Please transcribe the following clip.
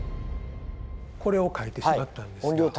これを書いてしまったんですが。